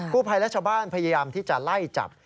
ผู้ภัยและชาวบ้านพยายามที่จะไล่จับ